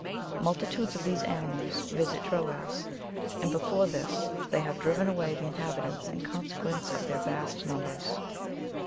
Multitudes of these animals visit Troas, and before this they have driven away the inhabitants in consequence of their vast numbers.